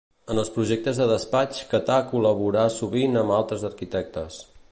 En els projectes de despatx Catà col·labora sovint amb altres arquitectes.